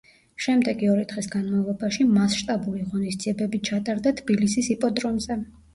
შემდეგი ორი დღის განმავლობაში მასშტაბური ღონისძიებები ჩატარდა თბილისის იპოდრომზე.